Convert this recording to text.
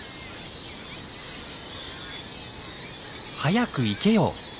「早く行けよ！」